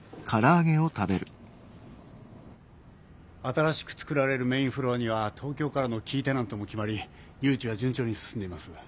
新しく作られるメインフロアには東京からのキーテナントも決まり誘致は順調に進んでいます。